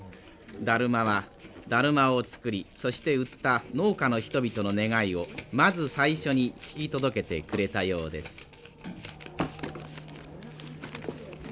だるまはだるまを作りそして売った農家の人々の願いをまず最初に聞き届けてくれたようです。